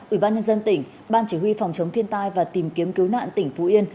ủy ban nhân dân tỉnh ban chỉ huy phòng chống thiên tai và tìm kiếm cứu nạn tỉnh phú yên